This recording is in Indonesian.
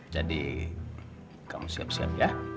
jadi kamu siap siap ya